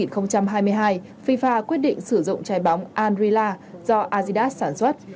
tại world cup hai nghìn hai mươi hai fifa quyết định sử dụng chai bóng andrila do azidas sản xuất